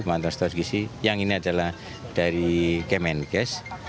pemantau status gizi yang ini adalah dari kemenkes